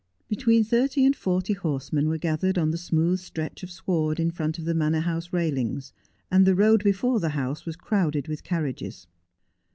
Between thirty and forty horse men were gathered on the smooth stretch of sward in front of the Manor House railings, and the road before the house was crowded with carriages.